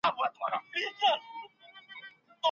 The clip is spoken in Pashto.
شپږمه برخه قوانین، پالیسي او لایحې دي.